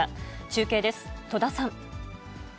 中継です、戸田さん。